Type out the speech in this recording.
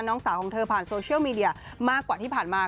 น้องสาวของเธอผ่านโซเชียลมีเดียมากกว่าที่ผ่านมา